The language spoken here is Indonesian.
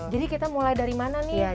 jadi kita mulai dari mana nih